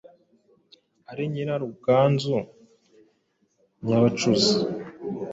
ari Nyiraruganzu Nyabacuzi.